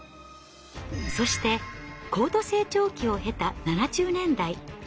そして高度成長期を経た７０年代。